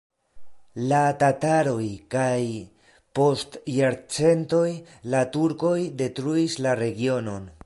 La tataroj kaj post jarcentoj la turkoj detruis la regionon.